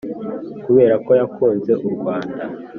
Kubera ko yankunze u rwanda